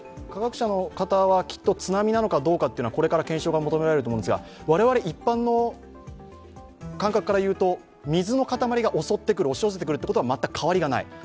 科学者の方はきっと津波なのかどうかというのはこれから検証が求められると思うんですが、我々一般の感覚からいうと、水の塊が襲ってくる、押し寄せてくるということには、変わりはない。